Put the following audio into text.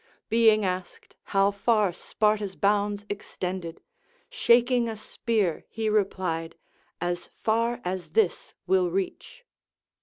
Being asked how far Sparta's bounds extended, shaking a spear he replied, As far as this Λνϋΐ reach.